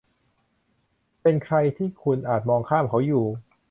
เป็นใครที่คุณอาจมองข้ามเขาอยู่